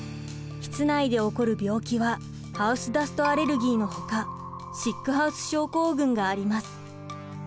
室内で起こる病気はハウスダストアレルギーのほかシックハウス症候群があります。